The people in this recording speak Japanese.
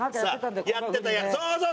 やってたそうそう！